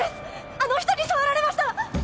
あの人に触られました